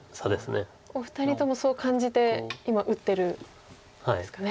お二人ともそう感じて今打ってるんですかね。